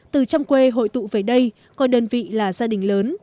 từ trong quê hội tụ về đây coi đơn vị là gia đình lớn